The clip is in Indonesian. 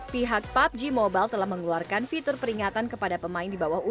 pihak pubg mobile telah mengeluarkan fitur peringatan kepada pemain yang tidak bisa diakses